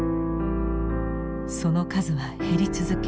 その数は減り続け